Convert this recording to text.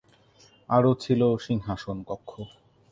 আরো ছিলো সিংহাসন কক্ষ।